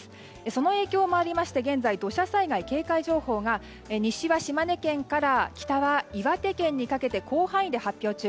その影響もありまして現在、土砂災害警戒情報が西は島根県から北は岩手県にかけて広範囲で発表中。